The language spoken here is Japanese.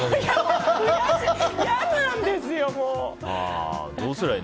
嫌なんですよ、もう！